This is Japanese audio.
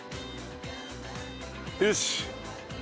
よし。